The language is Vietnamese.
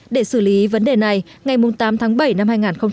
để xử lý vấn đề này ngày tám tháng bảy năm hai nghìn một mươi ba